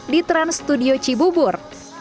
di trans studio cibubur